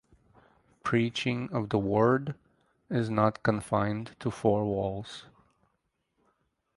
Preaching of the Word is not confined to four walls.